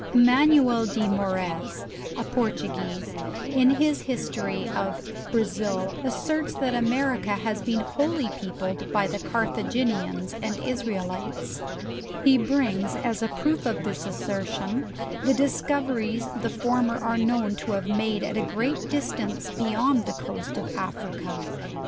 Emanuel de Moraez, a Portuguese, in his history of Brazil, asserts that America has been wholly peopled by the Carthaginians and Israelites. He brings as a proof of this assertion the discoveries the former are known to have made at a great distance beyound the coast of Africa.